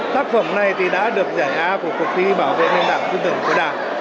tác phẩm này thì đã được giải áp của cuộc thi bảo vệ hình tảng tư tưởng của đảng